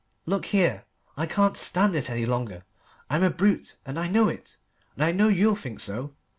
"Look here. I can't stand it any longer. I'm a brute and I know it, and I know you'll think so.